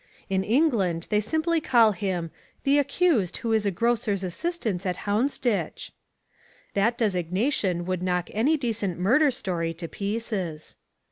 In England they simply call him "the accused who is a grocer's assistant in Houndsditch." That designation would knock any decent murder story to pieces.